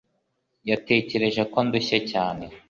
Yatekereje ko ndushye cyane